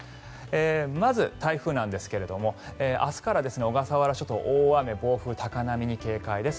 まず、台風なんですが明日から小笠原諸島大雨、暴風、高波に警戒です。